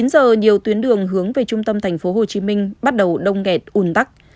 một mươi chín giờ nhiều tuyến đường hướng về trung tâm tp hcm bắt đầu đông nghẹt ùn tắc